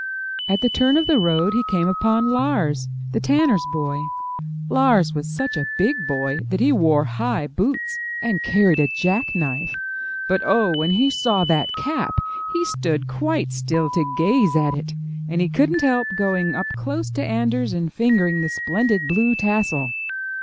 At the turn of the road he came upon Lars, the 12 UP ONE PAIR OF STAIRS tanner's boy. Lars was such a big boy that he wore high boots and carried a jack knife. But oh, when he saw that cap, he stood quite still to gaze at it, and he could not help going up close to Anders and fingering the splendid blue tassel.